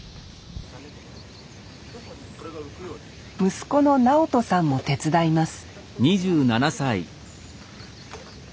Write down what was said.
息子の直豊さんも手伝います